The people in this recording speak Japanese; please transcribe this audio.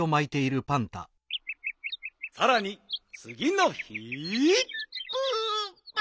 さらにつぎの日。